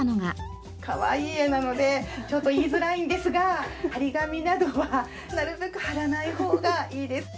かわいい絵なのでちょっと言いづらいんですが貼り紙などはなるべく貼らない方がいいです。